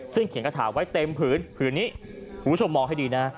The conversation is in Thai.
ซึ่งเขียนกระถาไว้เต็มผืนผืนนี้คุณผู้ชมมองให้ดีนะ